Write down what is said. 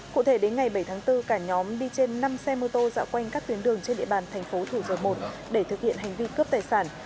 cụ thể đến ngày bảy tháng bốn cả nhóm đi trên năm xe mô tô dạo quanh các tuyến đường trên địa bàn thành phố thủ dầu một để thực hiện hành vi cướp tài sản